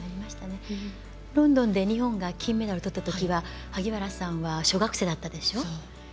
ロンドンで日本が金メダルとったときには萩原さんは小学生だったんでしょ。